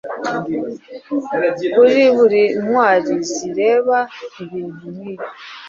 Kuri buri ntwari zireba ibintu nkibi